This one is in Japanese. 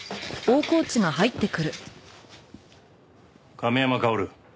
亀山薫。